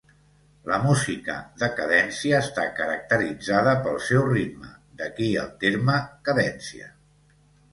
La música de cadència està caracteritzada pel seu ritme, d'aquí el terme "cadència".